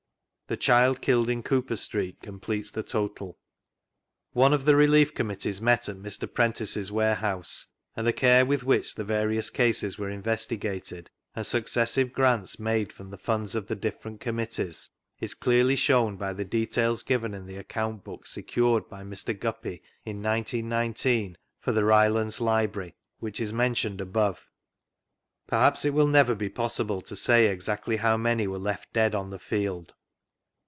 The child killed in Cooper Street completes the total. vGoogIc 84 APPENDIX B One of the Relief Committeet met at Mr. Preadce's warehouse, and the care with which the various cases were investig^ed, and successive grants made from the funds i3t the different Committees, is clearly shown by the details given in the account book secured by Mr. Guppy in 1919 for the Rylaads Library, «4iich is mentioned above. Periiaps it will never be possible to say exactly bow many were left dead on the field.